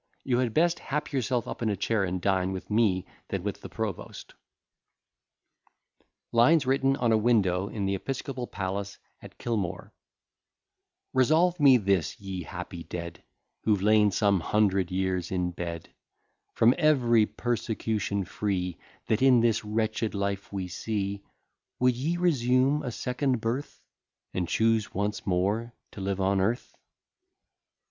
You had best hap yourself up in a chair, and dine with me than with the provost. LINES WRITTEN ON A WINDOW IN THE EPISCOPAL PALACE AT KILMORE Resolve me this, ye happy dead, Who've lain some hundred years in bed, From every persecution free That in this wretched life we see; Would ye resume a second birth, And choose once more to live on earth?